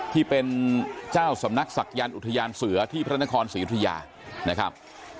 ที่เป็นเจ้าสำนักศักยันต์อุทยานเสือที่พระนครศรีอุทยานะครับ